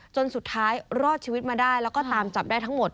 จนสุดท้ายรอดชีวิตมาได้แล้วก็ตามจับได้ทั้งหมด